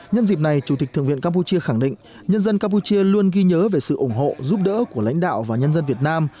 nhân dịp này chủ tịch thượng viện campuchia khẳng định nhân dân campuchia luôn ghi nhớ về sự ủng hộ giúp đỡ của lãnh đạo và nhân dân việt nam